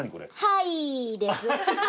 はいです。